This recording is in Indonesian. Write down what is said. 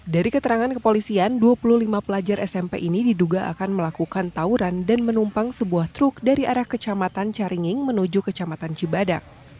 dari keterangan kepolisian dua puluh lima pelajar smp ini diduga akan melakukan tawuran dan menumpang sebuah truk dari arah kecamatan caringing menuju kecamatan cibadak